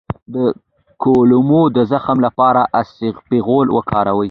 د کولمو د زخم لپاره اسپغول وکاروئ